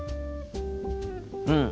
うん。